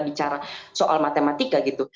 bicara soal matematika gitu